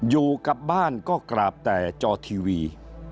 อยู่กับบ้านก็กราบแต่จอทีวี